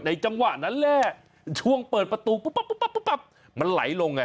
จังหวะนั้นแหละช่วงเปิดประตูปุ๊บมันไหลลงไง